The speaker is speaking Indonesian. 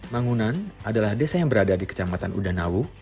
bangunan adalah desa yang berada di kecamatan udanawu